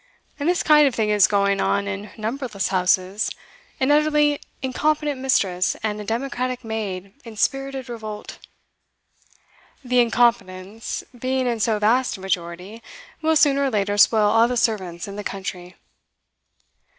And this kind of thing is going on in numberless houses an utterly incompetent mistress and a democratic maid in spirited revolt. The incompetents, being in so vast a majority, will sooner or later spoil all the servants in the country.